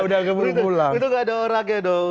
udah keburu pulang untung gak ada orangnya dong